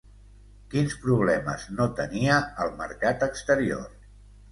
Quins problemes no tenia el mercat exterior?